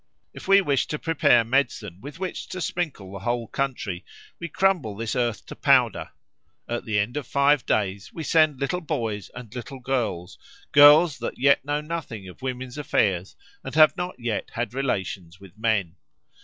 If we wish to prepare medicine with which to sprinkle the whole country, we crumble this earth to powder; at the end of five days we send little boys and little girls, girls that yet know nothing of women's affairs and have not yet had relations with men.